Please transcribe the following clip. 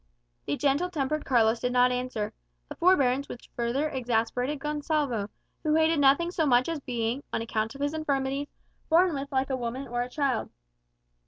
The gentle tempered Carlos did not answer; a forbearance which further exasperated Gonsalvo, who hated nothing so much as being, on account of his infirmities, borne with like a woman or a child.